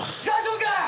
大丈夫か！？